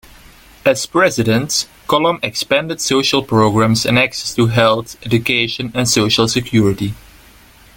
As President, Colom expanded social programs and access to health, education, and social security.